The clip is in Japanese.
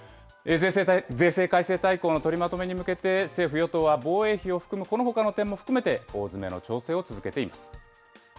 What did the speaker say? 税制改正大綱の取りまとめに向けて、政府・与党は防衛費を含むこのほかの点も含めて大詰めの調整を続けています。